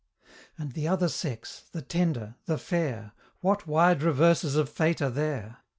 And the other sex the tender the fair What wide reverses of fate are there!